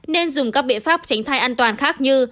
nên dùng các biện pháp tránh thai an toàn khác như